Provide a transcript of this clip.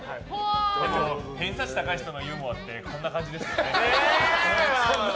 でも偏差値高い人のユーモアってこんな感じですよね。